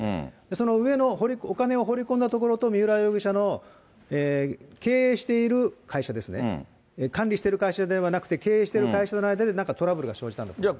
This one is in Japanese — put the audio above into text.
その上のお金を放り込んだところと三浦容疑者の経営している会社ですね、管理してる会社ではなくて、経営している会社との間でなんかトラブルが生じたんだと思います。